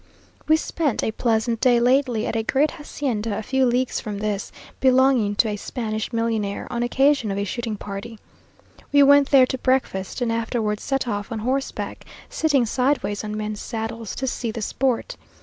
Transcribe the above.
We spent a pleasant day lately at a great hacienda a few leagues from this, belonging to a Spanish millionaire, on occasion of a shooting party. We went there to breakfast, and afterwards set off on horseback, sitting sideways on men's saddles, to see the sport.